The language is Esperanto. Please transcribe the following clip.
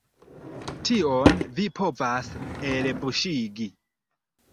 Tion vi povas elbuŝigi!